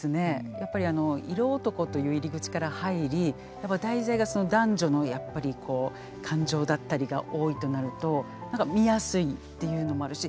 やっぱり色男という入り口から入り題材が男女のやっぱりこう感情だったりが多いとなると何か見やすいっていうのもあるし。